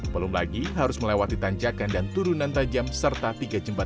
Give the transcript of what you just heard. belum lagi harus melewati tanjakan dan turunan tajam serta tiga jembatan